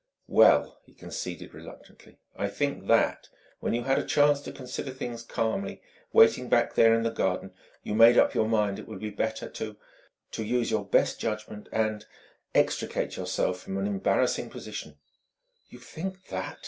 "Well," he conceded reluctantly, "I think that, when you had a chance to consider things calmly, waiting back there in the garden, you made up your mind it would be better to to use your best judgment and extricate yourself from an embarrassing position " "You think that!"